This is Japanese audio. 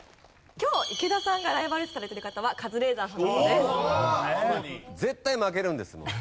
今日池田さんがライバル視されている方はカズレーザーさんだそうです。